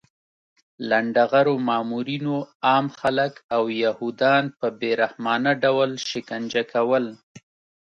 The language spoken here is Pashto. لنډغرو مامورینو عام خلک او یهودان په بې رحمانه ډول شکنجه کول